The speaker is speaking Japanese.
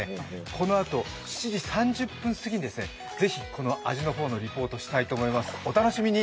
このあと７時３０分すぎにぜひ、味の方のリポートをしたいと思います。